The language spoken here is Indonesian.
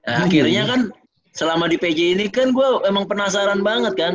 akhirnya kan selama di pj ini kan gue emang penasaran banget kan